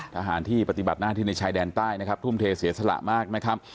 ทหารที่ปฏิบัติหน้าที่ในชายแดนใต้นะครับทุ่มเทเสียสละมากนะครับ